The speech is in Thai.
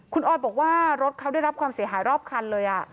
คุณออยบอกว่ารถเขาได้รับความเสียหายรอบคันเลย